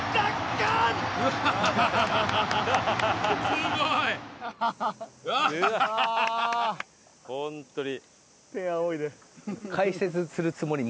すごい！ホントに。